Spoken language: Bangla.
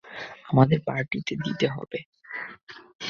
আমাদের পার্টি দিতে হবে!